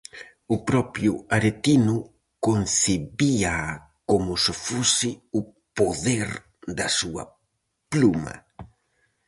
O propio Aretino concibíaa como se fose o poder da súa pluma.